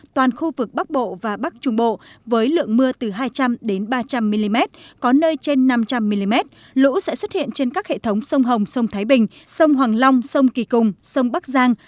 toàn khu vực bắc bộ và bắc trung bộ với lượng mưa từ hai trăm linh ba trăm linh mm có nơi trên năm trăm linh mm lũ sẽ xuất hiện trên các hệ thống sông hồng sông thái bình sông hoàng long sông kỳ cùng sông bắc giang